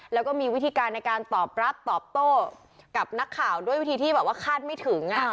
แล้วก็มีวิธีการในการตอบรับตอบโต้กับนักข่าวด้วยวิธีที่แบบว่าคาดไม่ถึง